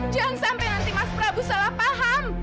jangan sampai nanti mas prabu salah paham